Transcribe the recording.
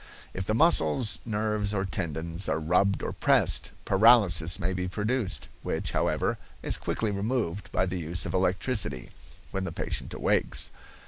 If the muscles, nerves or tendons are rubbed or pressed, paralysis may be produced, which, however, is quickly removed by the use of electricity, when the patient awakes.